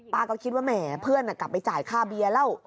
ก็คิดว่าแหมเพื่อนกลับไปจ่ายค่าเบียร์แล้ว